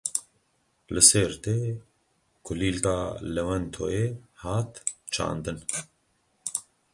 Li Sêrtê kulîlka lewentoyê hat çandin.